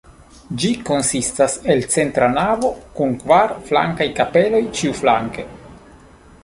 Ĝi konsistas el centra navo kun kvar flankaj kapeloj ĉiuflanke.